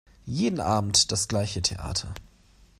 Jeden Abend das gleiche Theater!